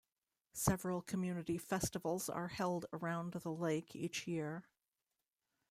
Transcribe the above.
Several community festivals are held around the lake each year.